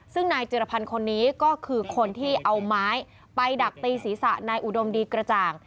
ซึ่งนายจิรพันธ์คนนี้ก็คือคนที่เอาไม้ไปดักตีศีรษะนายอุดมดีกระจ่าง